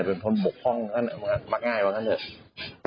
เหมือนท้นบุคคล่องมักง่ายกว่ากันด้วย